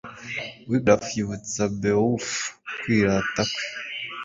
Wiglaf yibutsa Beowulf kwirata kwe